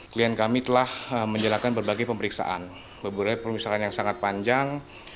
klien kami telah menjalankan berbagai pemeriksaan berbagai pemeriksaan yang sangat panjang